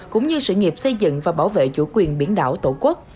cũng như sự nghiệp xây dựng và bảo vệ chủ quyền biển đảo tổ quốc